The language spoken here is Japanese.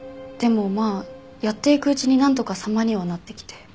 でもまあやっていくうちになんとか様にはなってきて。